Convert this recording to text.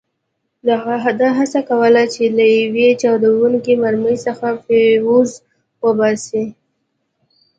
ده هڅه کوله چې له یوې چاودېدونکې مرمۍ څخه فیوز وباسي.